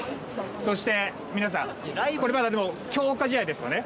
そして皆さんこれはまだ強化試合ですよね。